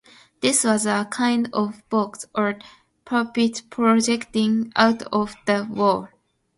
This was а kind of box or pulpit projecting out of the wall.